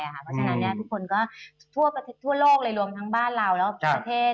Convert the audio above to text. เพราะฉะนั้นทุกคนก็ทั่วโลกเลยรวมทั้งบ้านเราแล้วประเทศ